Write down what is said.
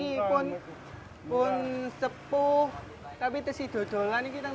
mepung kan semua hangingnya sudah baru de chuang keenam